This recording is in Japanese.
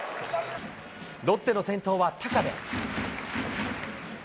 ロッテの先頭は高部。